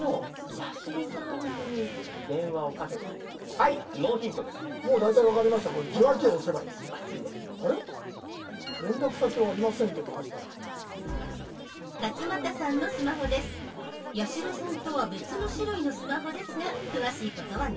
八代さんとは別の種類のスマホですが詳しいことは後ほど。